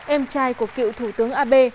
em trai của cựu thủ tướng abe